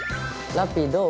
ラッピィどう？